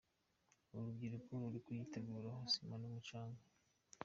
Uru rubyiruko ruri kuyiteraho sima n’umucanga.